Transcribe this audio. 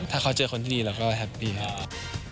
ถ้าเขาเจอคนที่ดีเราก็แฮปปี้แล้วครับ